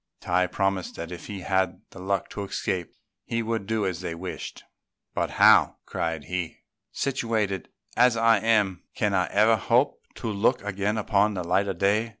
Tai promised that if he had the luck to escape he would do as they wished; "but how," cried he, "situated as I am, can I ever hope to look again upon the light of day?"